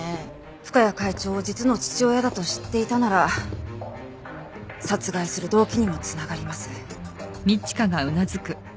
深谷会長を実の父親だと知っていたなら殺害する動機にも繋がります。